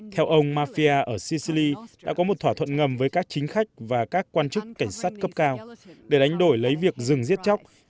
theo ông mafia ở sicili đã có một thỏa thuận ngầm với các chính khách và các quan chức cảnh sát cấp cao để đánh đổi lấy việc dừng giết chóc